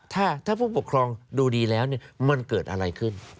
ถ้าผู้ปกครองดูดีแล้วมันเกิดอะไรขึ้น